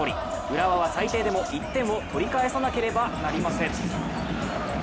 浦和は最低でも１点を取り返さなければなりません。